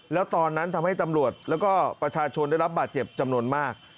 แล้วตอนนั้นทำให้ตำรวจแล้วก็ประชาชนได้รับบาดเจ็บจำนวนมาก